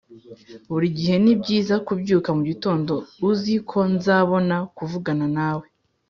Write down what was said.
burigihe nibyiza kubyuka mugitondo uzi ko nzabona kuvugana nawe.